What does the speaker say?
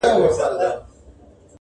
• ما د خټو د خدایانو بندګي منلې نه ده -